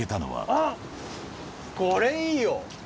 あっ、これいいよ。